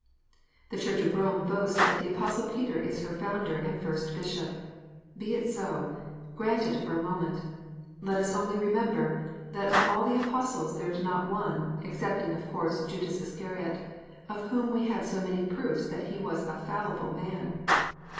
The Church of Rome boasts that the Apostle Peter is her founder and first Bishop. Be it so : grant it for a moment. Let us only remember, that of all the Apostles there is not one, excepting, of course, Judas Iscariot, of whom we have so many proofs that he was a fallible man.